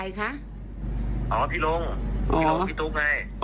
อ๋อพี่โรงพี่โรงพี่ตุ๊กไง